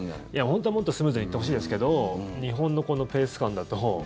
本当はもっとスムーズにいってほしいですけど日本のこのペース感だと。